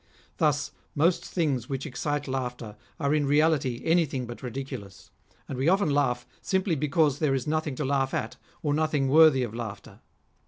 Thus, most things which excite laughter are in reality anythim but ridiculous ; and we often laugh simply because there] is nothing to laugh at, or nothing worthy of laughter.